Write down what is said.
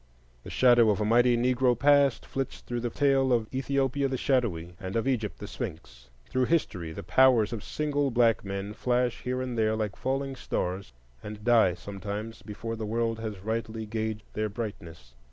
The shadow of a mighty Negro past flits through the tale of Ethiopia the Shadowy and of Egypt the Sphinx. Through history, the powers of single black men flash here and there like falling stars, and die sometimes before the world has rightly gauged their brightness.